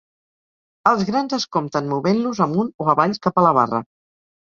Els grans es compten movent-los amunt o avall cap a la barra.